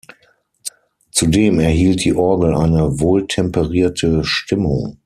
Zudem erhielt die Orgel eine wohltemperierte Stimmung.